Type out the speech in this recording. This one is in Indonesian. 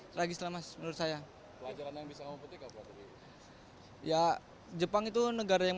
tragis lemas menurut saya pelajaran yang bisa membutuhkan ya jepang itu negara yang